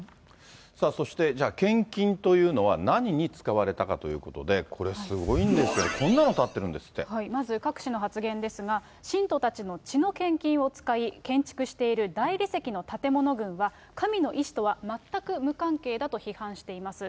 そしてじゃあ、献金というのは、何に使われたかということで、これ、すごいんですよ、まず、クァク氏の発言ですが、信徒たちの血の献金を使い建築している大理石の建物群は、神の意思とは全く無関係だと批判しています。